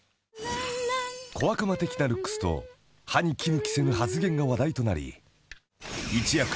［小悪魔的なルックスと歯に衣着せぬ発言が話題となり］